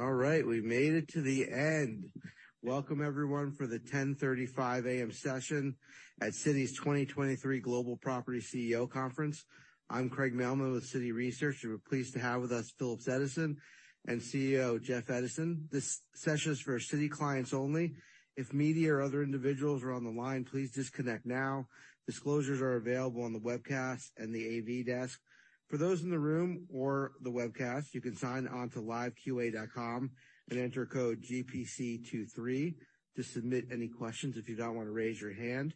All right, we made it to the end. Welcome, everyone, for the 10:35 A.M. session at Citi's 2023 Global Property Chief Executive Officer Conference. I'm Craig Mailman with Citi Research, and we're pleased to have with us Phillips Edison and Chief Executive Officer Jeff Edison. This session is for Citi clients only. If media or other individuals are on the line, please disconnect now. Disclosures are available on the webcast and the AV desk. For those in the room or the webcast, you can sign on to liveqa.com and enter code GPC23 to submit any questions if you don't want to raise your hand.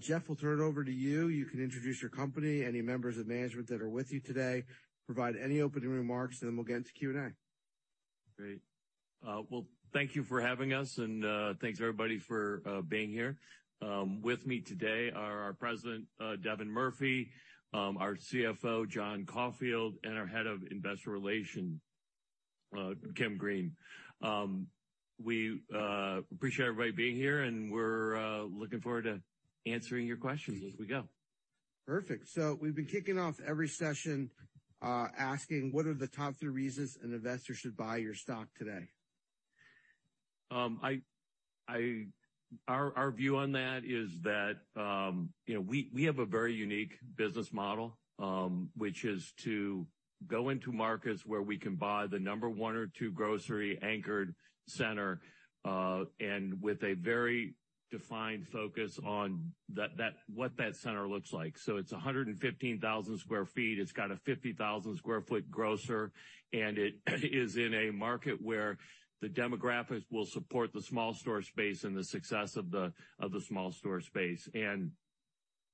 Jeff, we'll turn it over to you. You can introduce your company, any members of management that are with you today, provide any opening remarks, then we'll get into Q&A. Great. Well, thank you for having us, and thanks everybody for being here. With me today are our president, Devin Murphy, our Chief Financial Officer, John Caulfield, and our Head of Investor Relations, Kimberly Green. We appreciate everybody being here, and we're looking forward to answering your questions as we go. Perfect. We've been kicking off every session, asking what are the top three reasons an investor should buy your stock today? Our view on that is that, you know, we have a very unique business model, which is to go into markets where we can buy the number one or two grocery anchored center, and with a very defined focus on that what that center looks like. It's 115,000 sq ft, it's got a 50,000 sq ft grocer, and it is in a market where the demographics will support the small store space and the success of the small store space.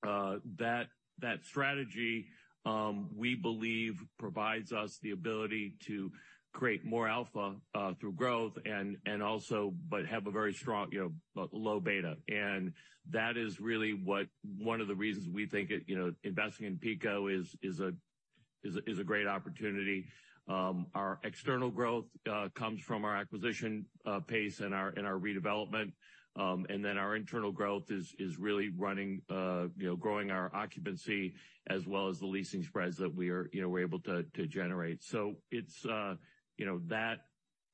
That strategy, we believe provides us the ability to create more alpha, through growth and also but have a very strong, you know, low beta. That is really what one of the reasons we think, you know, investing in PECO is a great opportunity. Our external growth comes from our acquisition pace and our redevelopment. Then our internal growth is really running, you know, growing our occupancy as well as the leasing spreads that we are, you know, we're able to generate. It's, you know, that,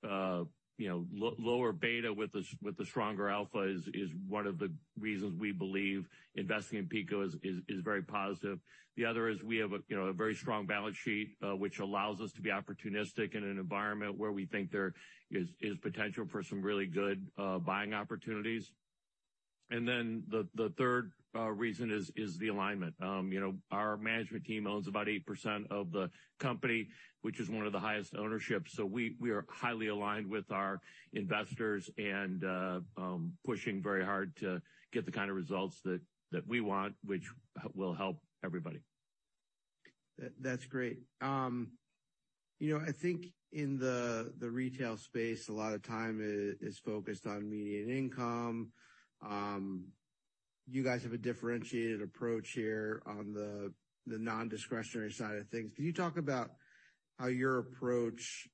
you know, lower beta with the stronger alpha is one of the reasons we believe investing in PECO is very positive. The other is we have a, you know, a very strong balance sheet, which allows us to be opportunistic in an environment where we think there is potential for some really good buying opportunities. The third reason is the alignment. You know, our management team owns about 8% of the company, which is one of the highest ownerships. We are highly aligned with our investors and pushing very hard to get the kind of results that we want, which will help everybody. That's great. You know, I think in the retail space, a lot of time is focused on median income. You guys have a differentiated approach here on the non-discretionary side of things. Can you talk about how your approach,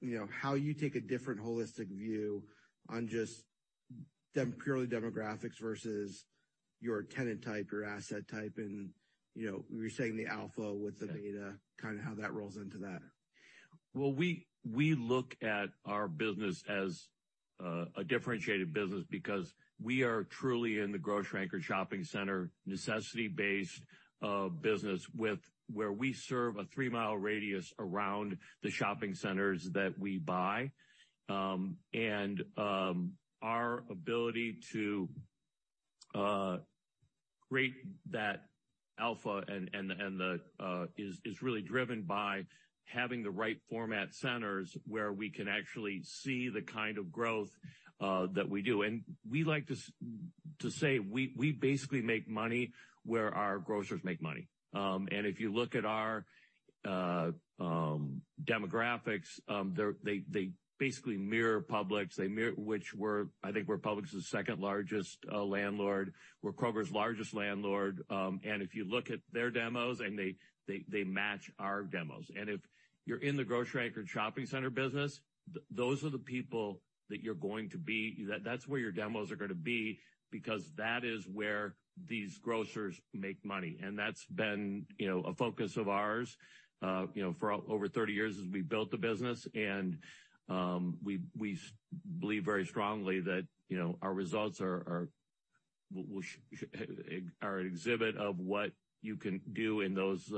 you know, how you take a different holistic view on just purely demographics versus your tenant type, your asset type, and, you know, you were saying the alpha with the beta, kind of how that rolls into that. Well, we look at our business as a differentiated business because we are truly in the grocery anchor shopping center, necessity-based business with where we serve a 3-mi radius around the shopping centers that we buy. Our ability to create that alpha and the is really driven by having the right format centers where we can actually see the kind of growth that we do. We like to say we basically make money where our grocers make money. If you look at our demographics, they basically mirror Publix. They mirror which we're, I think we're Publix's second-largest landlord. We're Kroger's largest landlord. If you look at their demos and they match our demos. If you're in the grocery anchor shopping center business, those are the people that's where your demos are gonna be because that is where these grocers make money. That's been, you know, a focus of ours, you know, for over 30 years as we built the business. We believe very strongly that, you know, our results are an exhibit of what you can do in those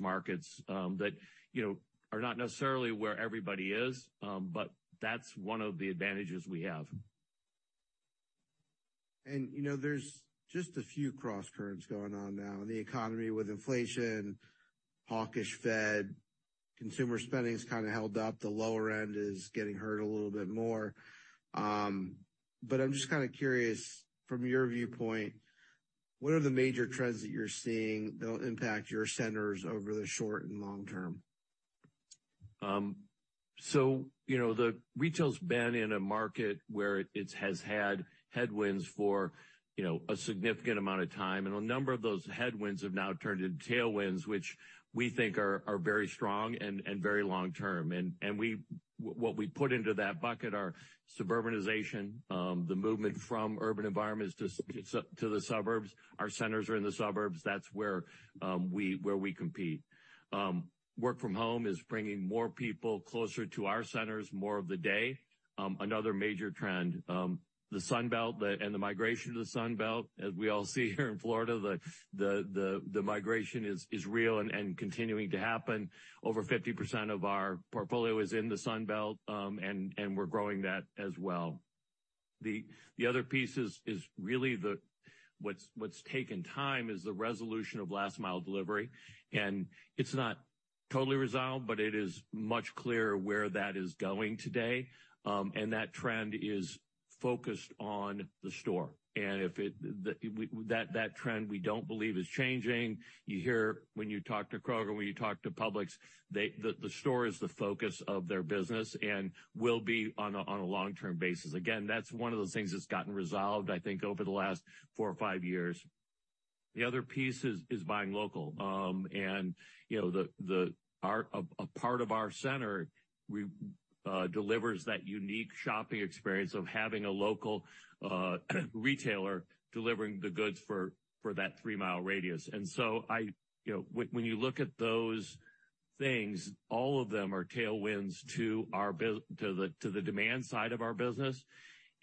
markets that, you know, are not necessarily where everybody is, but that's one of the advantages we have. You know, there's just a few crosscurrents going on now in the economy with inflation, Hawkish Fed, consumer spending's kind of held up. The lower end is getting hurt a little bit more. I'm just kind of curious, from your viewpoint, what are the major trends that you're seeing that'll impact your centers over the short and long term? You know, the retail's been in a market where it's had headwinds for, you know, a significant amount of time, and a number of those headwinds have now turned into tailwinds, which we think are very strong and very long-term. What we put into that bucket are suburbanization, the movement from urban environments to the suburbs. Our centers are in the suburbs. That's where we compete. Work from home is bringing more people closer to our centers more of the day, another major trend. The Sun Belt, and the migration to the Sun Belt, as we all see here in Florida, the migration is real and continuing to happen. Over 50% of our portfolio is in the Sun Belt, and we're growing that as well. The other piece is really what's taken time is the resolution of last-mile delivery. It's not totally resolved, but it is much clearer where that is going today. That trend is focused on the store. If it, that trend we don't believe is changing. You hear when you talk to Kroger, when you talk to Publix, the store is the focus of their business and will be on a, on a long-term basis. That's one of those things that's gotten resolved, I think, over the last four or five years. The other piece is buying local. You know, our part of our center delivers that unique shopping experience of having a local retailer delivering the goods for that 3-mi radius. You know, when you look at those things, all of them are tailwinds to the demand side of our business.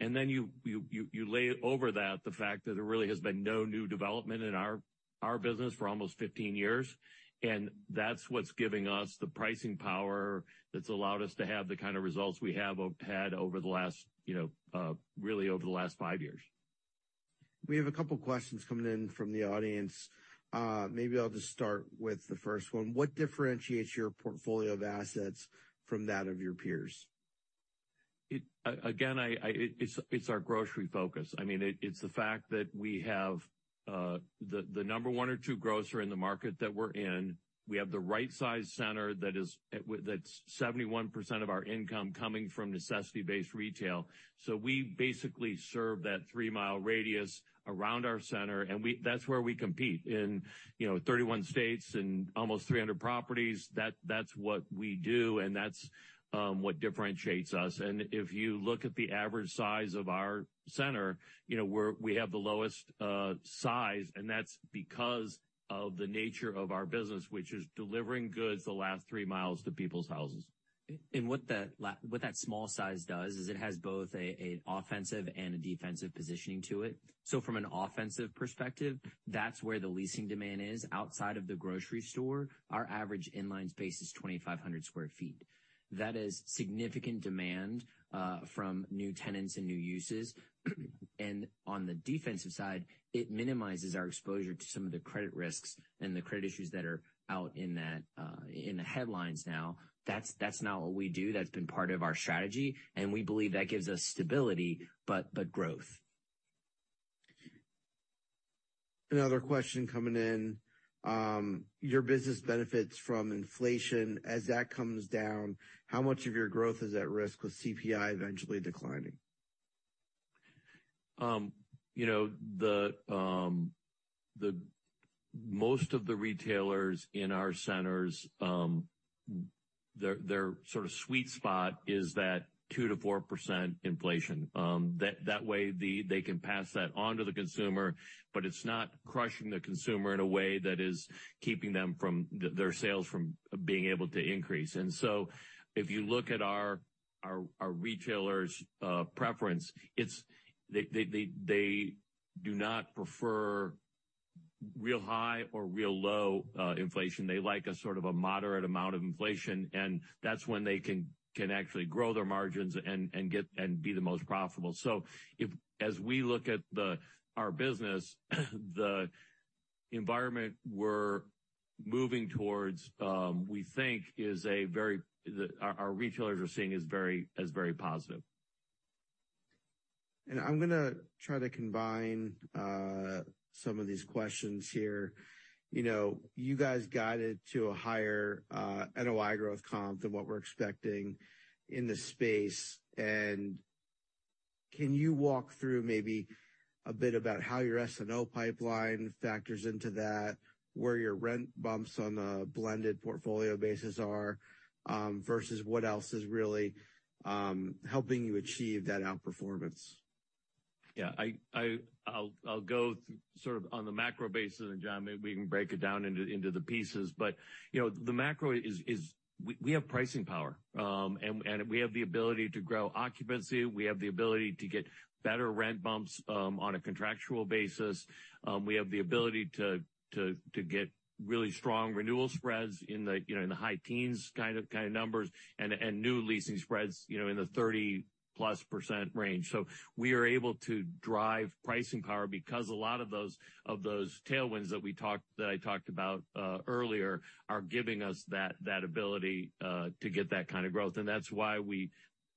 Then you lay over that the fact that there really has been no new development in our business for almost 15 years. That's what's giving us the pricing power that's allowed us to have the kind of results we have had over the last, you know, really over the last five-years. We have a couple questions coming in from the audience. Maybe I'll just start with the first one. What differentiates your portfolio of assets from that of your peers? Again, it's our grocery focus. I mean, it's the fact that we have the number one or two grocery in the market that we're in. We have the right size center that's 71% of our income coming from necessity-based retail. We basically serve that 3 mi radius around our center, and that's where we compete. In, you know, 31 states and almost 300 properties, that's what we do, and that's what differentiates us. If you look at the average size of our center, you know, we have the lowest size, and that's because of the nature of our business, which is delivering goods the last 3 mi to people's houses. What that small size does is it has both a offensive and a defensive positioning to it. From an offensive perspective, that's where the leasing demand is. Outside of the grocery store, our average in-line space is 2,500 sq ft That is significant demand from new tenants and new uses. On the defensive side, it minimizes our exposure to some of the credit risks and the credit issues that are out in that in the headlines now. That's not what we do. That's been part of our strategy, and we believe that gives us stability but growth. Another question coming in, your business benefits from inflation. As that comes down, how much of your growth is at risk with CPI eventually declining? you know, most of the retailers in our centers, their sort of sweet spot is that 2%-4% inflation. That way they can pass that on to the consumer, but it's not crushing the consumer in a way that is keeping them from their sales from being able to increase. If you look at our retailers' preference, they do not prefer real high or real low inflation. They like a sort of a moderate amount of inflation, and that's when they can actually grow their margins and be the most profitable. As we look at our business, the environment we're moving towards, we think is a very that our retailers are seeing as very positive. I'm gonna try to combine some of these questions here. You know, you guys guided to a higher NOI growth comp than what we're expecting in this space. Can you walk through maybe a bit about how your SNO pipeline factors into that, where your rent bumps on the blended portfolio basis are versus what else is really helping you achieve that outperformance? Yeah, I'll go sort of on the macro basis. John, maybe we can break it down into the pieces. You know, the macro is we have pricing power, and we have the ability to grow occupancy. We have the ability to get better rent bumps on a contractual basis. We have the ability to get really strong renewal spreads in the, you know, in the high teens kind of numbers and new leasing spreads, you know, in the 30+ % range. We are able to drive pricing power because a lot of those tailwinds that I talked about earlier are giving us that ability to get that kind of growth. That's why we,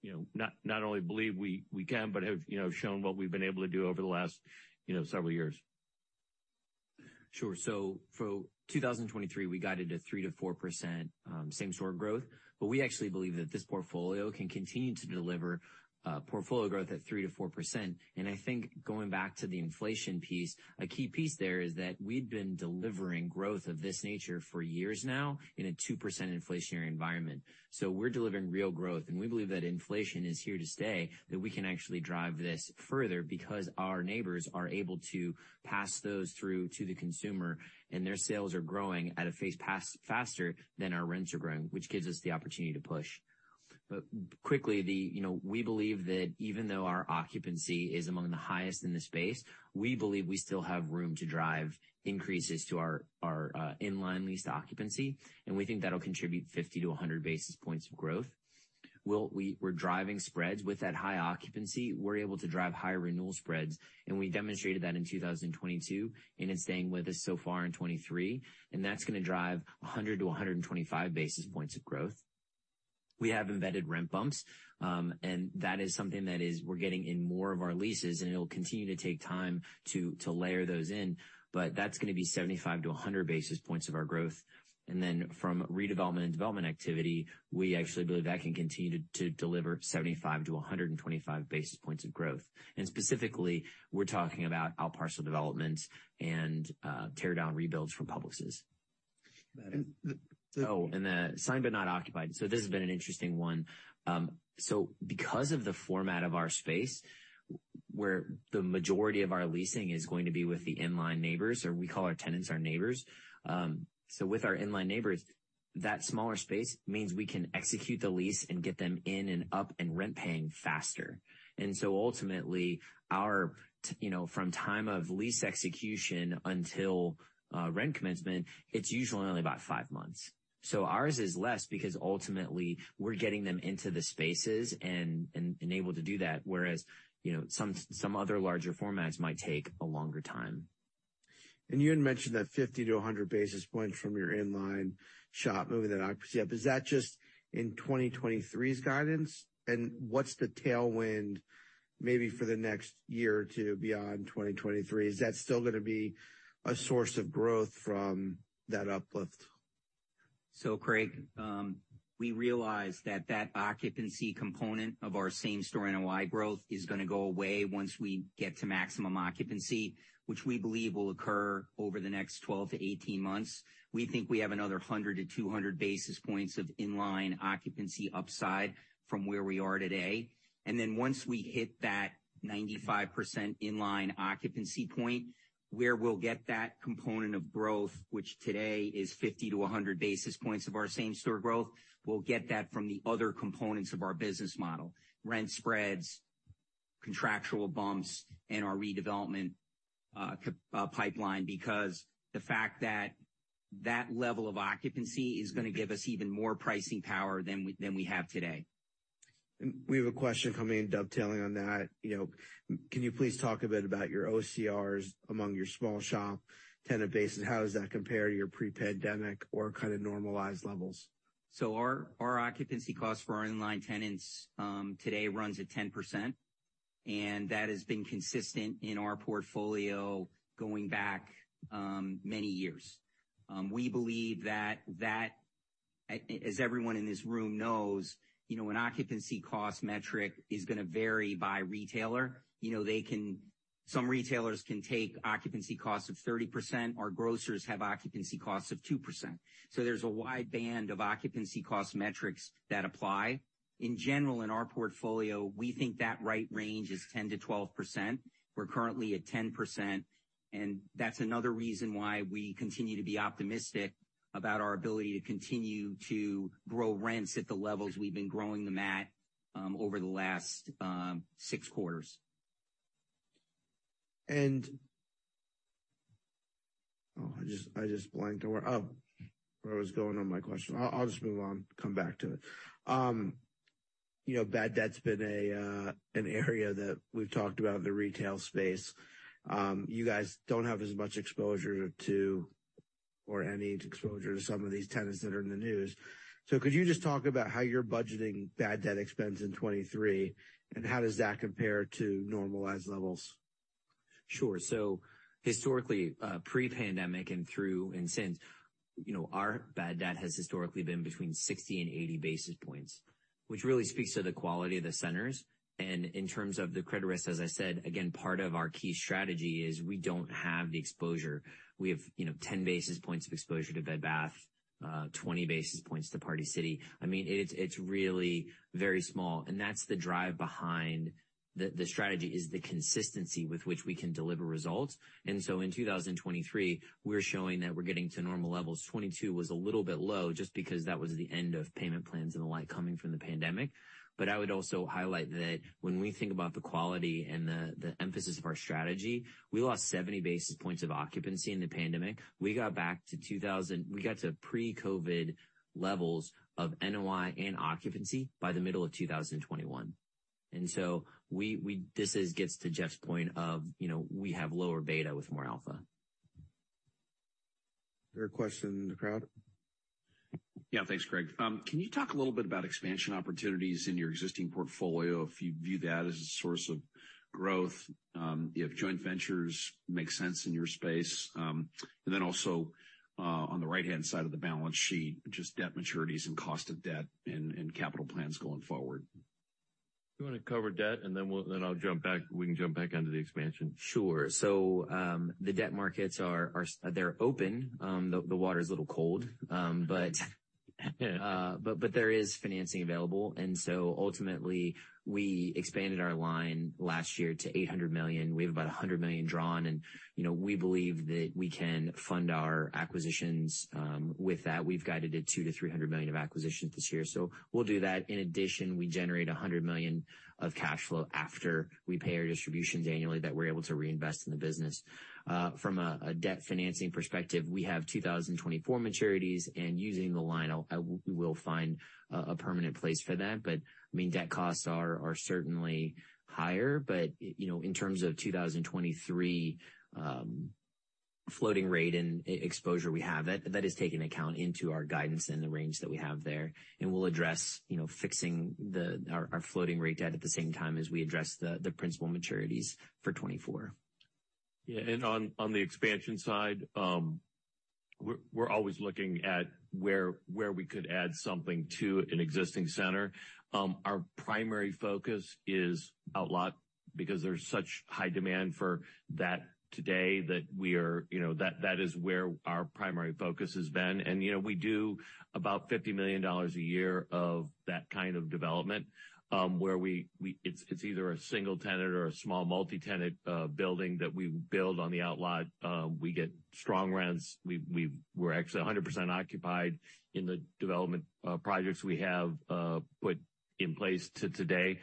you know, not only believe we can, but have, you know, shown what we've been able to do over the last, you know, several years. Sure. For 2023, we guided to 3%-4% same-store growth. We actually believe that this portfolio can continue to deliver portfolio growth at 3%-4%. I think going back to the inflation piece, a key piece there is that we've been delivering growth of this nature for years now in a 2% inflationary environment. We're delivering real growth, and we believe that inflation is here to stay, that we can actually drive this further because our neighbors are able to pass those through to the consumer, and their sales are growing at a phase faster than our rents are growing, which gives us the opportunity to push. Quickly, the, you know, we believe that even though our occupancy is among the highest in the space, we believe we still have room to drive increases to our, in-line leased occupancy, and we think that'll contribute 50-100 basis points of growth. We're driving spreads. With that high occupancy, we're able to drive higher renewal spreads, and we demonstrated that in 2022, and it's staying with us so far in 2023, and that's gonna drive 100-125 basis points of growth. We have embedded rent bumps, and that is something that is we're getting in more of our leases, and it'll continue to take time to layer those in, but that's gonna be 75-100 basis points of our growth. From redevelopment and development activity, we actually believe that can continue to deliver 75-125 basis points of growth. Specifically, we're talking about outparcel developments and tear down rebuilds for outparcels. And the- The signed but not open. This has been an interesting one. Because of the format of our space, where the majority of our leasing is going to be with the in-line neighbors or we call our tenants our neighbors. With our in-line neighbors, that smaller space means we can execute the lease and get them in and up and rent paying faster. Ultimately, our, you know, from time of lease execution until rent commencement, it's usually only about five months. Ours is less because ultimately we're getting them into the spaces and able to do that, whereas, you know, some other larger formats might take a longer time. You had mentioned that 50-100 basis points from your in-line shop moving that occupancy up. Is that just in 2023's guidance? What's the tailwind maybe for the next year or two beyond 2023? Is that still gonna be a source of growth from that uplift? Craig, we realize that occupancy component of our same-store NOI growth is gonna go away once we get to maximum occupancy, which we believe will occur over the next 12 to 18 months. We think we have another 100-200 basis points of in-line occupancy upside from where we are today. Once we hit that 95% in-line occupancy point, where we'll get that component of growth, which today is 50-100 basis points of our same-store growth, we'll get that from the other components of our business model: rent spreads, contractual bumps, and our redevelopment pipeline, because the fact that that level of occupancy is gonna give us even more pricing power than we have today. We have a question coming in dovetailing on that. You know, can you please talk a bit about your OCRs among your small shop tenant base, and how does that compare to your pre-pandemic or kind of normalized levels? Our occupancy cost for our in-line tenants today runs at 10%, and that has been consistent in our portfolio going back many years. We believe that as everyone in this room knows, you know, an occupancy cost metric is gonna vary by retailer. You know, some retailers can take occupancy costs of 30%. Our grocers have occupancy costs of 2%. There's a wide band of occupancy cost metrics that apply. In general, in our portfolio, we think that right range is 10%-12%. We're currently at 10%, and that's another reason why we continue to be optimistic about our ability to continue to grow rents at the levels we've been growing them at over the last 6 quarters. Oh, I just, I just blanked on where, oh, where I was going on my question. I'll just move on, come back to it. you know, bad debt's been an area that we've talked about in the retail space. you guys don't have as much exposure to or any exposure to some of these tenants that are in the news. Could you just talk about how you're budgeting bad debt expense in 2023, and how does that compare to normalized levels? Historically, pre-pandemic and through and since, you know, our bad debt has historically been between 60 and 80 basis points, which really speaks to the quality of the centers. In terms of the credit risk, as I said, again, part of our key strategy is we don't have the exposure. We have, you know, 10 basis points of exposure to Bed Bath, 20 basis points to Party City. I mean, it's really very small, and that's the drive behind the strategy is the consistency with which we can deliver results. In 2023, we're showing that we're getting to normal levels. 2022 was a little bit low just because that was the end of payment plans and the like coming from the pandemic. I would also highlight that when we think about the quality and the emphasis of our strategy, we lost 70 basis points of occupancy in the pandemic. We got to pre-COVID levels of NOI and occupancy by the middle of 2021. This is gets to Jeff's point of, you know, we have lower beta with more alpha. Is there a question in the crowd? Yeah. Thanks, Craig. Can you talk a little bit about expansion opportunities in your existing portfolio, if you view that as a source of growth, if joint ventures make sense in your space, and then also, on the right-hand side of the balance sheet, just debt maturities and cost of debt and capital plans going forward? You wanna cover debt, then I'll jump back. We can jump back onto the expansion. Sure. The debt markets they're open, the water is a little cold, but there is financing available. Ultimately, we expanded our line last year to $800 million. We have about $100 million drawn and, you know, we believe that we can fund our acquisitions with that. We've guided it $200 million-$300 million of acquisitions this year. We'll do that. We generate $100 million of cash flow after we pay our distributions annually that we're able to reinvest in the business. From a debt financing perspective, we have 2024 maturities, and using the line, we will find a permanent place for that. I mean, debt costs are certainly higher, but, you know, in terms of 2023, floating rate and e-exposure we have, that is taken account into our guidance and the range that we have there. We'll address, you know, fixing our floating rate debt at the same time as we address the principal maturities for 2024. Yeah. On the expansion side, we're always looking at where we could add something to an existing center. Our primary focus is outlot because there's such high demand for that today that we are, you know, that is where our primary focus has been. You know, we do about $50 million a year of that kind of development, where it's either a single tenant or a small multi-tenant building that we build on the outlot. We get strong rents. We're actually 100% occupied in the development projects we have put in place today.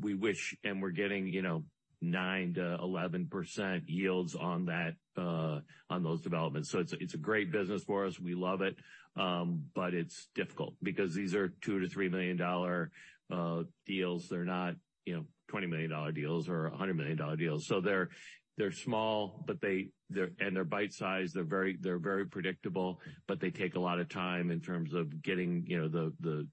We wish and we're getting, you know, 9%-11% yields on that on those developments. It's a great business for us. We love it. It's difficult because these are $2 million-$3 million deals. They're not, you know, $20 million deals or $100 million deals. They're small, but they're bite-sized, they're very, they're very predictable, but they take a lot of time in terms of getting, you know, the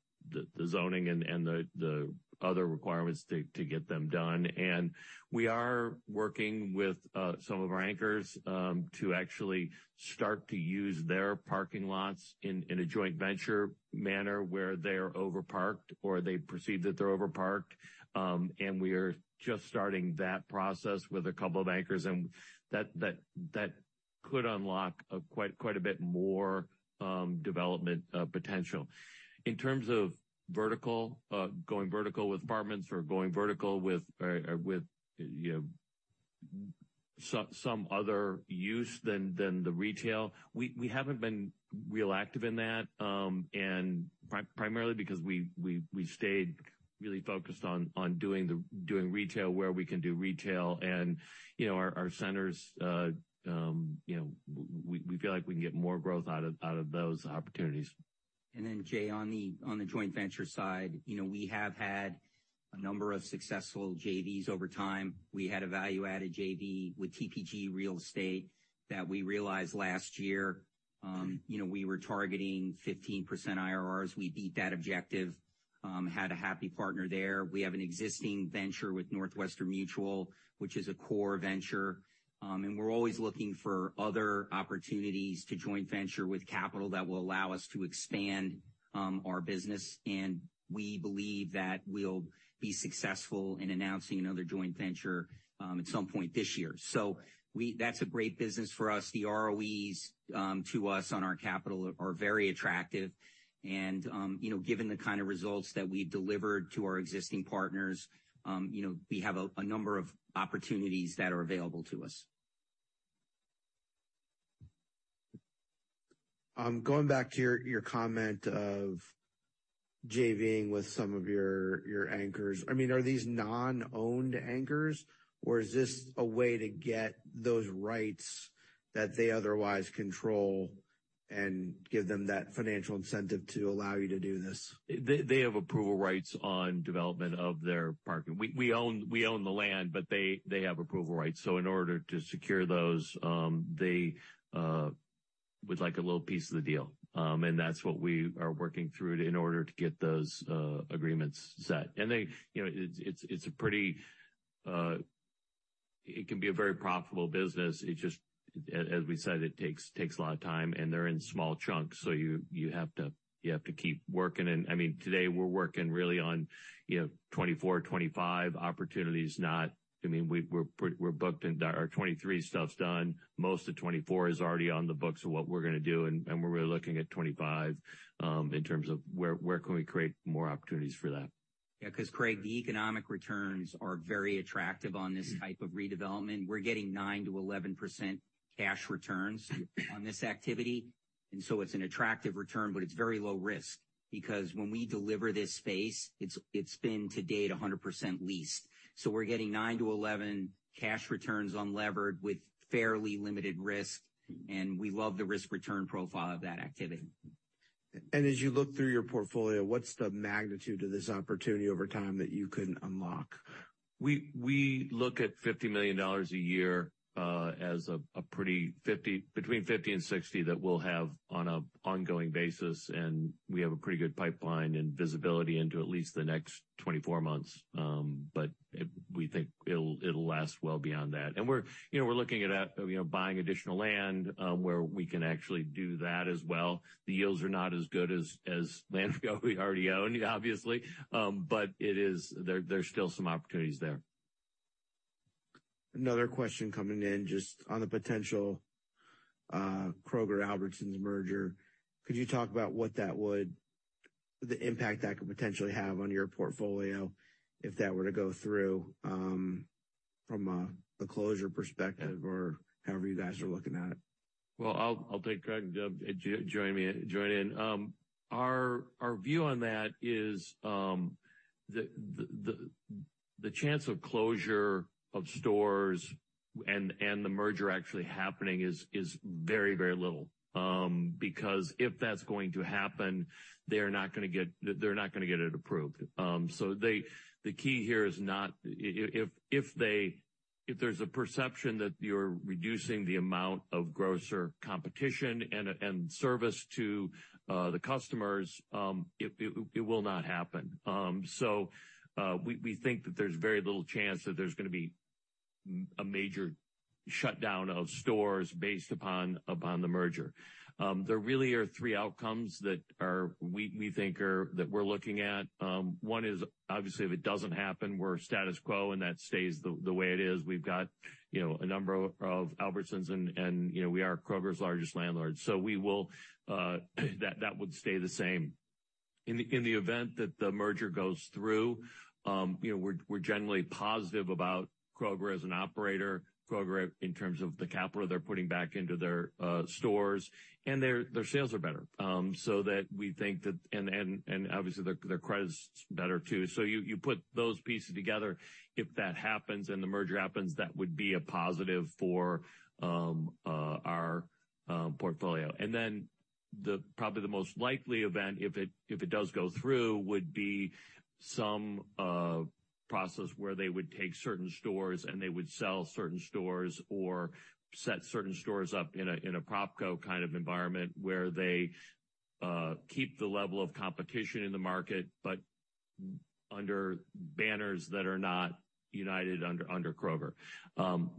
zoning and the other requirements to get them done. We are working with some of our anchors to actually start to use their parking lots in a joint venture manner where they're over-parked or they perceive that they're over-parked. We are just starting that process with a couple of anchors, and that could unlock quite a bit more development potential. In terms of vertical, going vertical with apartments or going vertical with, you know, some other use than the retail, we haven't been real active in that, and primarily because we stayed really focused on doing retail where we can do retail. You know, our centers, you know, we feel like we can get more growth out of those opportunities. Jay, on the, on the joint venture side, you know, we have had a number of successful JVs over time. We had a value-added JV with TPG Real Estate that we realized last year. You know, we were targeting 15% IRRs. We beat that objective, had a happy partner there. We have an existing venture with Northwestern Mutual, which is a core venture, and we're always looking for other opportunities to joint venture with capital that will allow us to expand our business. We believe that we'll be successful in announcing another joint venture at some point this year. That's a great business for us. The ROEs, to us on our capital are very attractive and, you know, given the kind of results that we delivered to our existing partners, you know, we have a number of opportunities that are available to us. Going back to your comment of JV-ing with some of your anchors. I mean, are these non-owned anchors or is this a way to get those rights that they otherwise control and give them that financial incentive to allow you to do this? They have approval rights on development of their parking. We own the land, but they have approval rights. In order to secure those, they would like a little piece of the deal. That's what we are working through in order to get those agreements set. They, you know, it's a pretty. It can be a very profitable business. It just as we said, it takes a lot of time and they're in small chunks, so you have to keep working. I mean, today we're working really on, you know, 24, 25 opportunities not. I mean, we're booked and our 23 stuff's done. Most of 24 is already on the books of what we're gonna do and we're really looking at 25, in terms of where can we create more opportunities for that. 'Cause Craig Mailman, the economic returns are very attractive on this type of redevelopment. We're getting 9%-11% cash returns on this activity. It's an attractive return, but it's very low risk because when we deliver this space, it's been to date 100% leased. We're getting 9%-11% cash returns unlevered with fairly limited risk. We love the risk-return profile of that activity. As you look through your portfolio, what's the magnitude of this opportunity over time that you can unlock? We look at $50 million a year as a pretty between $50 million and $60 million that we'll have on a ongoing basis. We have a pretty good pipeline and visibility into at least the next 24 months. But we think it'll last well beyond that. We're, you know, we're looking at, you know, buying additional land where we can actually do that as well. The yields are not as good as land we already own, obviously. But it is, there's still some opportunities there. Another question coming in just on the potential Kroger-Albertsons merger. Could you talk about the impact that could potentially have on your portfolio if that were to go through, from a closure perspective or however you guys are looking at it? Well, I'll take a crack at it, Jeff, join in. Our view on that is the chance of closure of stores and the merger actually happening is very, very little. Because if that's going to happen, they're not gonna get it approved. The key here is not if there's a perception that you're reducing the amount of grocer competition and service to the customers, it will not happen. We think that there's very little chance that there's gonna be a major shutdown of stores based upon the merger. There really are three outcomes that we think are that we're looking at. One is, obviously, if it doesn't happen, we're status quo, and that stays the way it is. We've got, you know, a number of Albertsons and, you know, we are Kroger's largest landlord. We will that would stay the same. In the event that the merger goes through, you know, we're generally positive about Kroger as an operator, Kroger in terms of the capital they're putting back into their stores, and their sales are better. So that we think that. Obviously their credit's better too. You put those pieces together, if that happens and the merger happens, that would be a positive for our portfolio. Probably the most likely event, if it, if it does go through, would be some process where they would take certain stores and they would sell certain stores or set certain stores up in a PropCo kind of environment where they keep the level of competition in the market, but under banners that are not united under Kroger.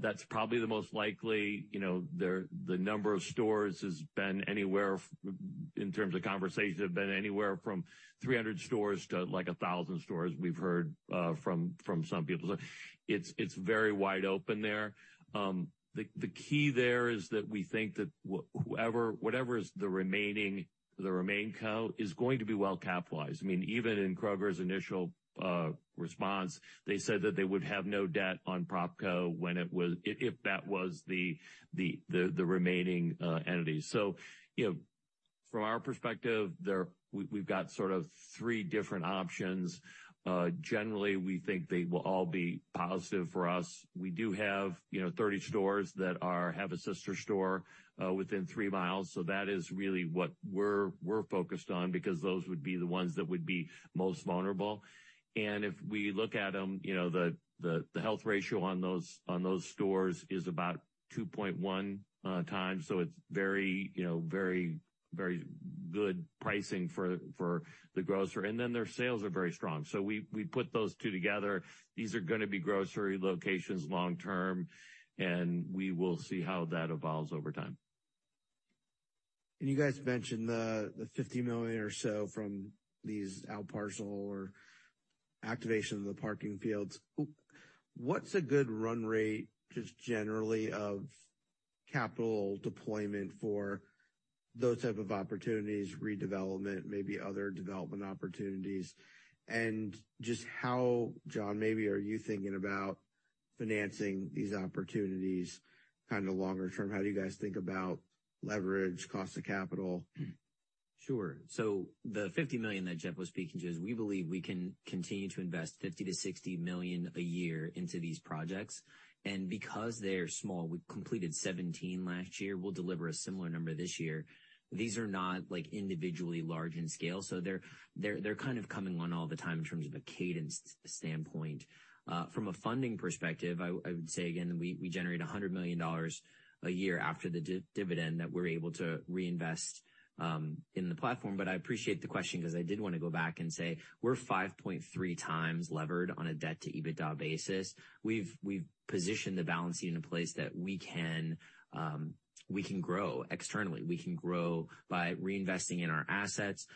That's probably the most likely, you know. The number of stores has been anywhere in terms of conversations, have been anywhere from 300 stores to, like, 1,000 stores we've heard from some people. It's very wide open there. The key there is that we think that whatever is the remaining, the RemainCo is going to be well capitalized. I mean, even in Kroger's initial response, they said that they would have no debt on PropCo if that was the remaining entity. You know, from our perspective, we've got sort of three different options. Generally, we think they will all be positive for us. We do have, you know, 30 stores that have a sister store within 3 miles, that is really what we're focused on because those would be the ones that would be most vulnerable. If we look at them, you know, the health ratio on those stores is about 2.1x, it's very, you know, very good pricing for the grocer. Their sales are very strong. We put those two together. These are gonna be grocery locations long term. We will see how that evolves over time. You guys mentioned the $50 million or so from these outparcel or activation of the parking fields. What's a good run rate just generally of capital deployment for those type of opportunities, redevelopment, maybe other development opportunities? Just how, John, maybe are you thinking about financing these opportunities kind of longer term? How do you guys think about leverage, cost of capital? Sure. The $50 million that Jeff was speaking to is we believe we can continue to invest $50 million-$60 million a year into these projects. Because they are small, we completed 17 last year. We'll deliver a similar number this year. These are not, like, individually large in scale, so they're kind of coming on all the time in terms of a cadence standpoint. From a funding perspective, I would say again, we generate $100 million a year after the dividend that we're able to reinvest in the platform. I appreciate the question 'cause I did wanna go back and say we're 5.3x levered on a debt-to-EBITDA basis. We've positioned the balance sheet in a place that we can grow externally. We can grow by reinvesting in our assets.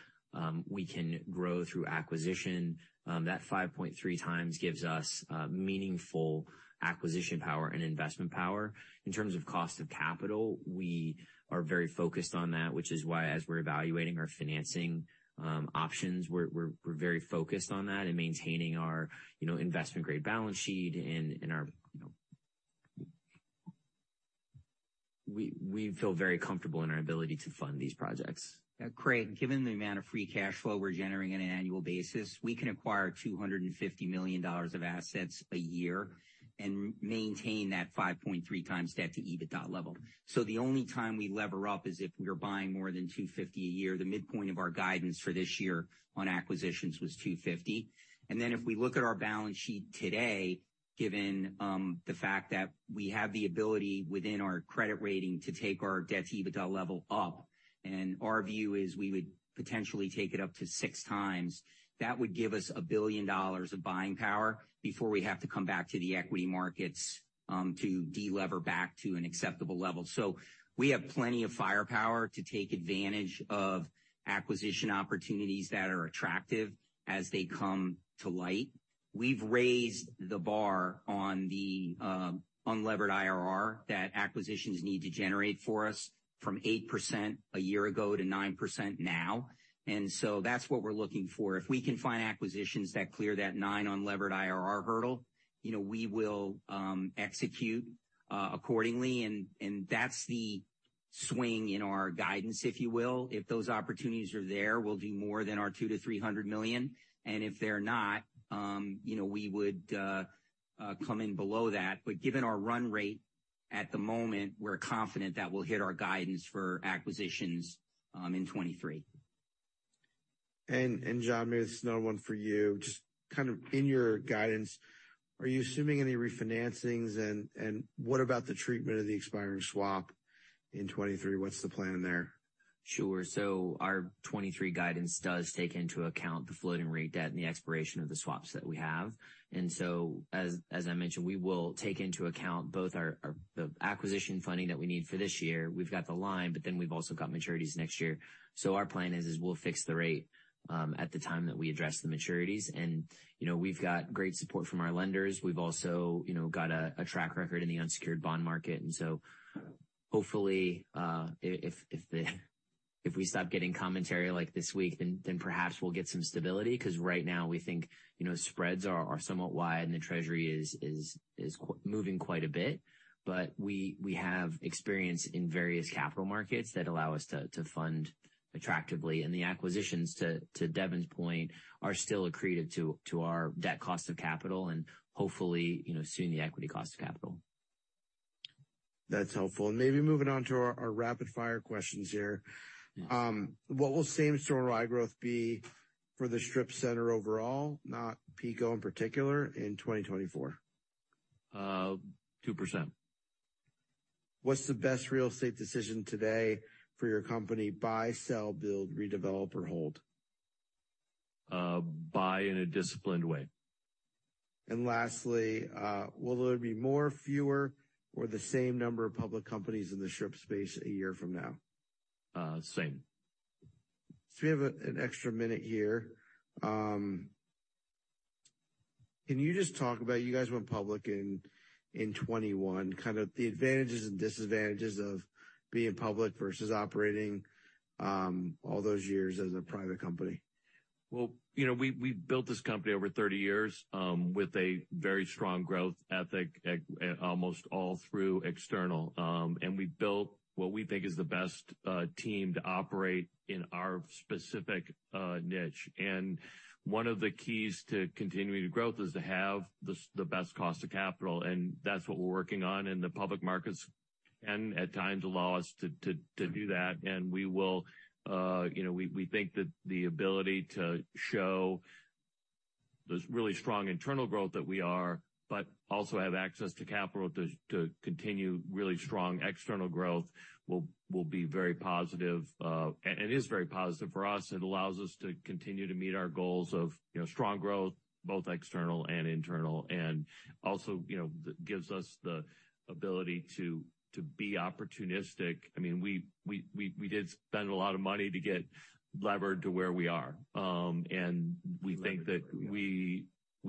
We can grow through acquisition. That 5.3x gives us meaningful acquisition power and investment power. In terms of cost of capital, we are very focused on that, which is why as we're evaluating our financing options, we're very focused on that and maintaining our, you know, investment-grade balance sheet and our, you know. We feel very comfortable in our ability to fund these projects. Craig, given the amount of free cash flow we're generating on an annual basis, we can acquire $250 million of assets a year and maintain that 5.3x debt-to-EBITDA level. The only time we lever up is if we are buying more than $250 million a year. The midpoint of our guidance for this year on acquisitions was $250 million. If we look at our balance sheet today. Given the fact that we have the ability within our credit rating to take our debt-to-EBITDA level up, our view is we would potentially take it up to six times. That would give us $1 billion of buying power before we have to come back to the equity markets to delever back to an acceptable level. We have plenty of firepower to take advantage of acquisition opportunities that are attractive as they come to light. We've raised the bar on the unlevered IRR that acquisitions need to generate for us from 8% a year ago to 9% now. That's what we're looking for. If we can find acquisitions that clear that nine unlevered IRR hurdle, you know, we will execute accordingly, and that's the swing in our guidance, if you will. If those opportunities are there, we'll do more than our $200 million-$300 million. If they're not, you know, we would come in below that. Given our run rate at the moment, we're confident that we'll hit our guidance for acquisitions in 2023. John, maybe this is another one for you. Just kind of in your guidance, are you assuming any refinancings, and what about the treatment of the expiring swap in 2023? What's the plan there? Sure. Our 2023 guidance does take into account the floating rate debt and the expiration of the swaps that we have. As I mentioned, we will take into account both our, the acquisition funding that we need for this year. We've got the line, but then we've also got maturities next year. Our plan is we'll fix the rate at the time that we address the maturities. You know, we've got great support from our lenders. We've also, you know, got a track record in the unsecured bond market. Hopefully, if we stop getting commentary like this week, then perhaps we'll get some stability. Right now we think, you know, spreads are somewhat wide and the Treasury is moving quite a bit. We have experience in various capital markets that allow us to fund attractively. The acquisitions to Devon's point, are still accretive to our debt cost of capital and hopefully, you know, soon the equity cost of capital. That's helpful. Maybe moving on to our rapid-fire questions here. What will same-store NOI growth be for the strip center overall, not PECO in particular, in 2024? 2%. What's the best real estate decision today for your company, buy, sell, build, redevelop, or hold? Buy in a disciplined way. Lastly, will there be more, fewer, or the same number of public companies in the strip space a year from now? Same. We have an extra minute here. Can you just talk about, you guys went public in 2021, kind of the advantages and disadvantages of being public versus operating, all those years as a private company? Well, you know, we built this company over 30 years, with a very strong growth ethic almost all through external. We built what we think is the best team to operate in our specific niche. One of the keys to continuing growth is to have the best cost of capital, and that's what we're working on in the public markets and at times allow us to do that. We will, you know, we think that the ability to show this really strong internal growth that we are, but also have access to capital to continue really strong external growth will be very positive. It is very positive for us. It allows us to continue to meet our goals of, you know, strong growth, both external and internal, and also, you know, gives us the ability to be opportunistic. I mean, we did spend a lot of money to get levered to where we are. We think that we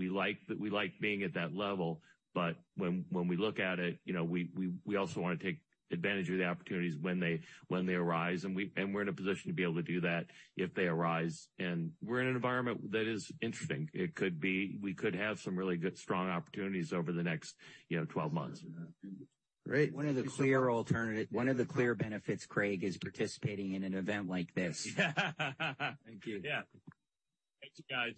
like being at that level. When we look at it, you know, we also wanna take advantage of the opportunities when they arise. We're in a position to be able to do that if they arise. We're in an environment that is interesting. It could be, we could have some really good, strong opportunities over the next, you know, 12 months. Great. One of the clear benefits, Craig, is participating in an event like this. Thank you. Yeah. Thanks, guys.